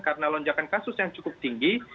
karena lonjakan kasus yang cukup tinggi